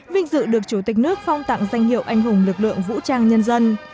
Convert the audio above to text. vinh dự được chủ tịch nước phong tặng danh hiệu anh hùng lực lượng vũ trang nhân dân